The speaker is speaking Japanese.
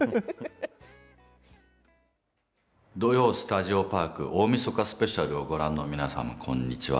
「土曜スタジオパーク大みそかスペシャル」をご覧の皆様、こんにちは。